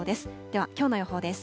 では、きょうの予報です。